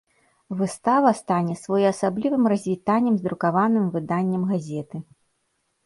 Выстава стане своеасаблівым развітаннем з друкаваным выданнем газеты.